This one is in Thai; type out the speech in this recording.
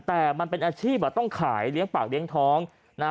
แต่มันเป็นอาชีพต้องขายเลี้ยงปากเลี้ยงท้องนะ